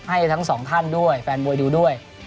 ให้ทั้งสองท่านด้วยแฟนมวยดูด้วย